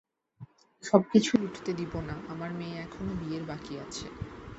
সবকিছু লুটতে দিবো না, আমার মেয়ে এখনো বিয়ের বাকী আছে।